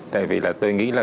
tại vì tôi nghĩ là